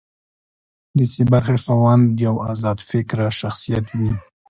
د سي برخې خاوند یو ازاد فکره شخصیت وي.